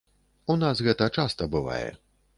У нас гэта часта бывае.